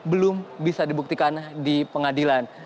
belum bisa dibuktikan di pengadilan